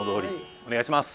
お願いします。